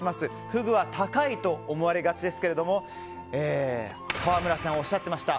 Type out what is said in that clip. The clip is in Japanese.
フグは高いと思われがちですが河村さんはおっしゃっていました。